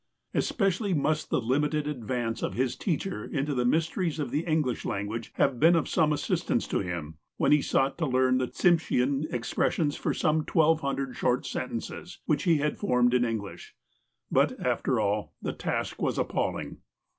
Especially must the limited advance of his teacher into the mysteries of the English language have been of some assistance to him, when he sought to learn the Tsimshean expressions for some twelve hundred short sentences, which he had formed in English. But, after all, the task was appalling.